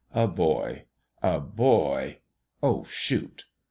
A boy a boy ! Oh, shoot